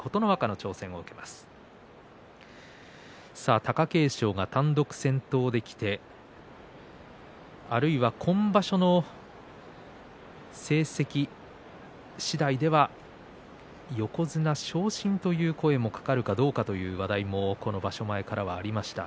貴景勝が単独先頭できてあるいは今場所の成績次第では横綱昇進という声がかかるかどうかという話題もこの場所前からありました。